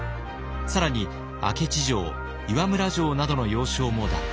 更に明知城岩村城などの要衝も奪還。